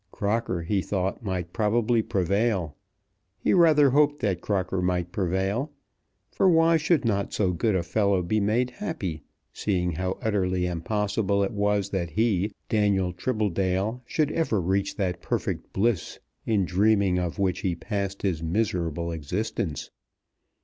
Crocker he thought might probably prevail. He rather hoped that Crocker might prevail; for why should not so good a fellow be made happy, seeing how utterly impossible it was that he, Daniel Tribbledale, should ever reach that perfect bliss in dreaming of which he passed his miserable existence.